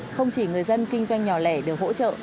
không chỉ người dân kinh doanh nhỏ lẻ được hỗ trợ